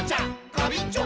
ガビンチョ！